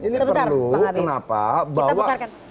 ini perlu kenapa bahwa